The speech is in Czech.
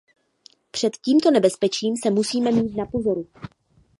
Před tímto nebezpečím se musíme mít na pozoru.